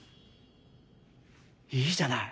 いいじゃない。